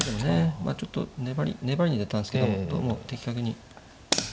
まあちょっと粘りに出たんですけどもどうも的確に。